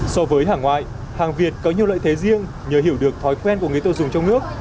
so với hàng ngoại hàng việt có nhiều lợi thế riêng nhờ hiểu được thói quen của người tiêu dùng trong nước